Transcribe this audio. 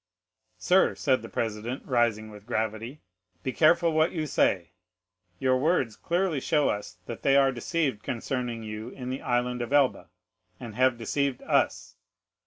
"'"Sir," said the president, rising with gravity, "be careful what you say; your words clearly show us that they are deceived concerning you in the Island of Elba, and have deceived us!